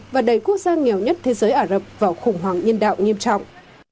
và đẩy quốc gia nghèo nhất thế giới ả rập vào khủng hoảng nhân đạo nghiêm trọng